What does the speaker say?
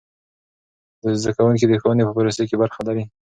زده کوونکي د ښوونې په پروسې کې برخه لري.